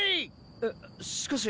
えっしかし。